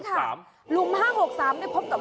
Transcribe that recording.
ลุ้มหลุมหลุมของ๕๖๓มันอยู่ถ้าพบกับ